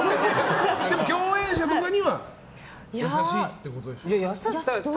でも共演者とかには優しいってことでしょ。